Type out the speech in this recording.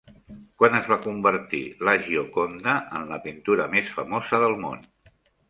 Quan es va convertir La Gioconda en la pintura més famosa del món?